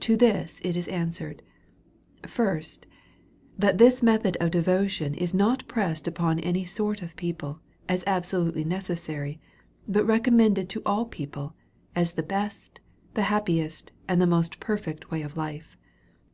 To this it i» answered, First, That this method of devotion is not pressed upon any sort of people, as absolutely necessary, but r^'commended to all people, as the best, tiie happiest, and most perfect way of life.